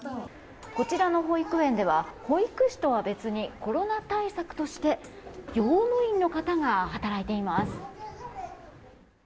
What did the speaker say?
こちらの保育園では保育士とは別にコロナ対策として用務員の方が働いています。